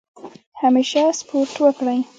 همیشه سپورټ وکړئ.